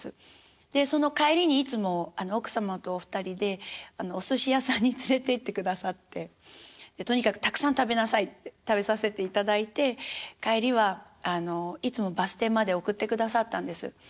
その帰りにいつも奥様とお二人でおすし屋さんに連れてってくださって「とにかくたくさん食べなさい」って食べさせていただいて帰りはいつもバス停まで送ってくださったんです。